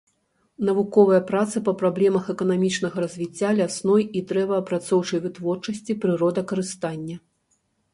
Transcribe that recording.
Навуковыя працы па праблемах эканамічнага развіцця, лясной і дрэваапрацоўчай вытворчасці, прыродакарыстання.